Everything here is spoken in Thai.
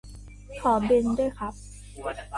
ขอบิลด้วยครับ